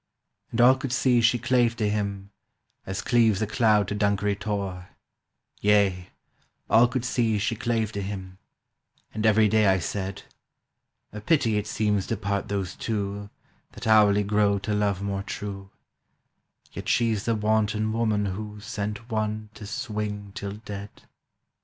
And all could see she clave to him As cleaves a cloud to Dunkery Tor, Yea, all could see she clave to him, And every day I said, "A pity it seems to part those two That hourly grow to love more true: Yet she's the wanton woman who Sent one to swing till dead!"